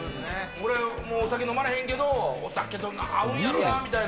俺もお酒飲まれへんけど、お酒と合うんやろうなみたいな。